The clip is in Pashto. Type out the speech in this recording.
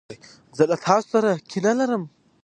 زه له تاسو سره کینه لرم.